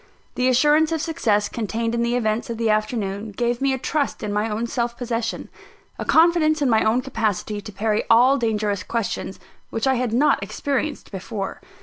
The assurance of success contained in the events of the afternoon, gave me a trust in my own self possession a confidence in my own capacity to parry all dangerous questions which I had not experienced before.